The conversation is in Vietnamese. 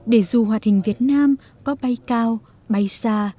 để dù hoạt hình việt nam có bay cao bay xa